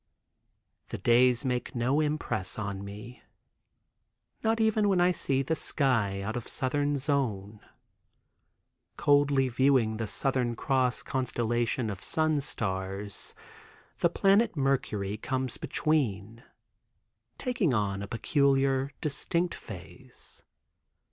The days make no impress on me. Not even when I see the sky out of southern zone. Coldly viewing the Southern Cross Constellation of sun stars, the planet Mercury comes between, taking on a peculiar distinct phase.